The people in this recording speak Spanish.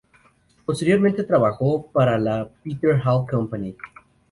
Posteriormente trabajó para la Peter Hall Company.